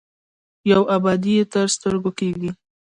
یوه ابادي یې تر سترګو کېږي.